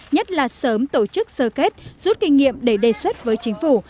nhất là sớm tổ chức sơ kết rút kinh nghiệm để đề xuất với chính phủ